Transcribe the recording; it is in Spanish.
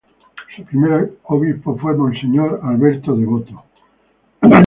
Su primer obispo fue monseñor Alberto Devoto.